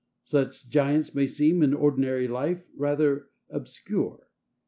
Such giants may seem, in ordinary life, rather obscure.